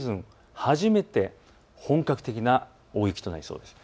初めて本格的な大雪となりそうです。